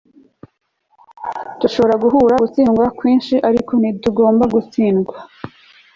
turashobora guhura gutsindwa kwinshi ariko ntitugomba gutsindwa. - maya angelou